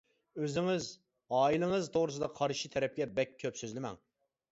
ئۆزىڭىز، ئائىلىڭىز، توغرىسىدا قارشى تەرەپكە بەك كۆپ سۆزلىمەڭ.